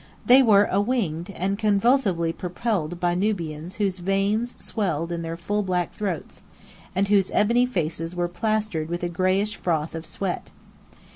They were awninged, and convulsively propelled by Nubians whose veins swelled in their full black throats, and whose ebony faces were plastered with a grayish froth of sweat.